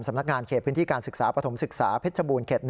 สำนักงานเขตพื้นที่การศึกษาปฐมศึกษาเพชรบูรณเขต๑